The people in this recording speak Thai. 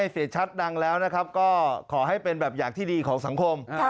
เสียชัดดังแล้วนะครับก็ขอให้เป็นแบบอย่างที่ดีของสังคม